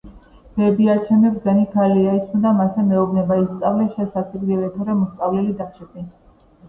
ბებიაჩემი ბრძენი ქალია, ის მუდამ ასე მეუბნება-ისწავლე შე სასიკვდილე თორემ უსწავლელი დარჩები